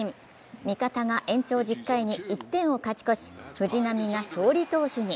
味方が延長１０回に１点を勝ち越し藤浪が勝利投手に。